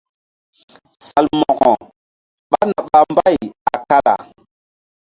Salmo̧ko ɓá na ɓa mbay a kala.